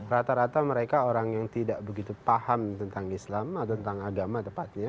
rata rata mereka orang yang tidak begitu paham tentang islam atau tentang agama tepatnya